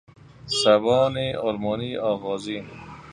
زبان آلمانی آغازین